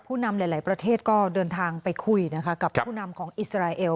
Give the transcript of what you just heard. นำหลายประเทศก็เดินทางไปคุยนะคะกับผู้นำของอิสราเอล